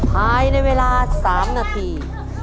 ภายในเวลา๓นาที